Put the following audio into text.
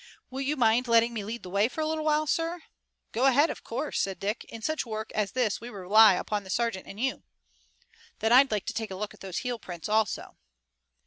"Will you mind letting me lead the way for a little while, sir?" "Go ahead, of course," said Dick. "In such work as this we rely upon the sergeant and you." "Then I'd like to take a look at those heel prints also."